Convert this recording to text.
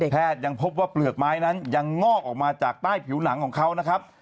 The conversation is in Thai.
ยังพบว่าเปลือกไม้นั้นยังงอกออกมาจากใต้ผิวหนังของเขานะครับ